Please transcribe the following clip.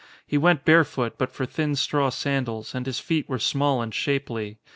He went barefoot but for thin straw sandals, and his feet were small and shapely.